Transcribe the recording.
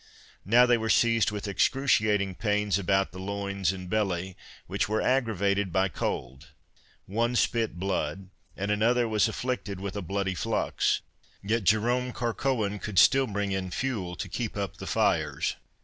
Now they were seized with excruciating pains about the loins and belly, which were aggravated by cold. One spit blood, and another was afflicted with a bloody flux; yet Jerome Carcoen could still bring in fuel to keep up the fires.